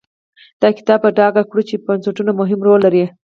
دا کتاب به په ډاګه کړي چې بنسټونه مهم رول لري.